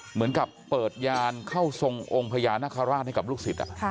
เหมือนกับเปิดยานเข้าทรงองค์พญานาคาราชให้กับลูกศิษย์